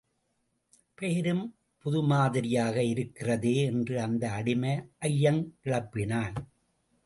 பெயரும் புதுமாதிரியாக இருக்கிறதே? என்று அந்த அடிமை ஐயங் கிளப்பினான்.